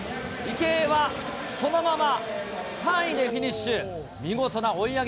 池江はそのまま３位でフィニッシュ。